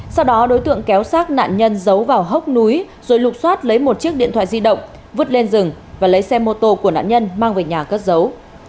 sau đó đối tượng kéo sát nạn nhân giấu vào hốc núi rồi lục xoát lấy một chiếc điện thoại di động vứt lên rừng và lấy xe mô tô của nạn nhân mang về nhà cất giấu